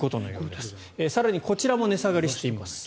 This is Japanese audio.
更にこちらも値下がりしています。